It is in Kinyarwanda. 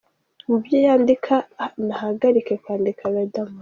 Mu byo yandika nahagarike kwandika Riderman.